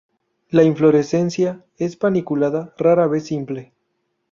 La inflorescencia es paniculada, rara vez simple.